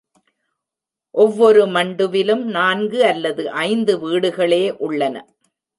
ஒவ்வொரு மண்டுவிலும் நான்கு அல்லது ஐந்து வீடுகளே உள்ளன.